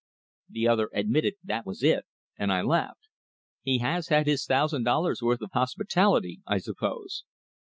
The other admitted that was it, and I laughed. "He has had his thousand dollars worth of hospitality, I suppose."